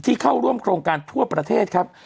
เข้าร่วมโครงการทั่วประเทศครับ